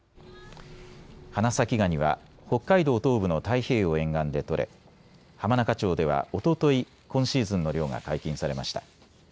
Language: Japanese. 花咲ガニは北海道東部の太平洋沿岸で取れ浜中町ではおととい今シーズンの漁が解禁されました。